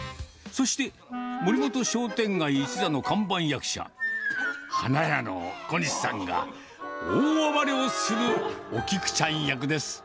そして、森本商店街一座の看板役者、花屋の小西さんが、大暴れをするお菊ちゃん役です。